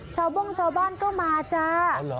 โบ้งชาวบ้านก็มาจ้า